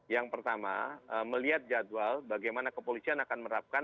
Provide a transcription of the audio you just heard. yang pertama melihat jadwal bagaimana kepolisian akan menerapkan